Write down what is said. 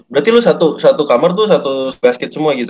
berarti lu satu kamar tuh satu basket semua gitu